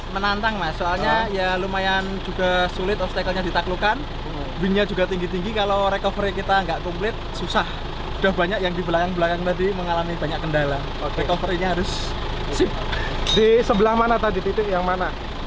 menantang soalnya lumayan juga sulit obstacle nya ditaklukkan